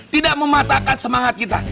tidak mematahkan semangat kita